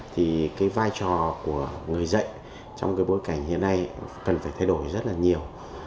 thì cái vai trò của người dạy trong cái bối cảnh hiện nay cần phải thay đổi rất là nhiều